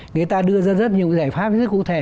người ta đưa ra rất nhiều giải pháp rất cụ thể